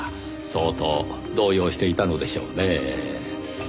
相当動揺していたのでしょうねぇ。